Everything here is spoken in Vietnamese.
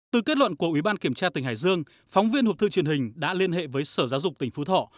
từ kết luận của ubk tỉnh hải dương phóng viên hộp thư truyền hình đã liên hệ với sở giáo dục tỉnh phú thọ